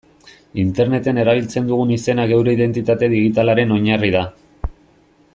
Interneten erabiltzen dugun izena geure identitate digitalaren oinarri da.